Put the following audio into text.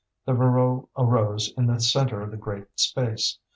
The Voreux arose in the centre of the great space.